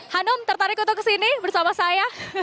hanum tertarik untuk kesini bersama saya